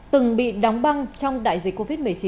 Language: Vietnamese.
từng bị đóng băng trong đại dịch covid một mươi chín